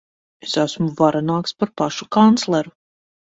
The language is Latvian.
Es esmu varenāks par pašu kancleru.